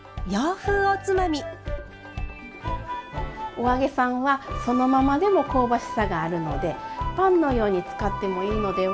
お揚げさんはそのままでも香ばしさがあるので「パンのように使ってもいいのでは？